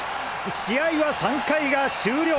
試合は３回が終了！